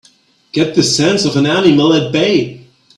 Get the sense of an animal at bay!